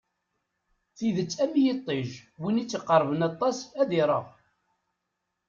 Tidet am yiṭij, win i tt-iqerben aṭas ad ireɣ.